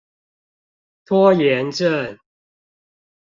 拖延症